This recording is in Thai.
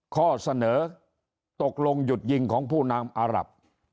ข้อเสนอตกลงหยุดยิงของผู้นำอารับ